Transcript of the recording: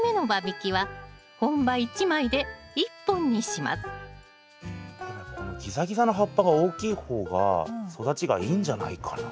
続いてこのギザギザの葉っぱが大きい方が育ちがいいんじゃないかな。